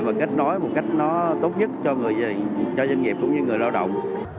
và kết nối một cách nó tốt nhất cho doanh nghiệp cũng như người lao động